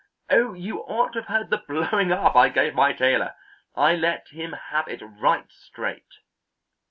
Oh, you ought to have heard the blowing up I gave my tailor! I let him have it right straight."